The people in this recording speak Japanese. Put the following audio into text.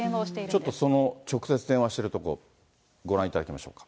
ちょっとその直接電話してるところ、ご覧いただきましょうか。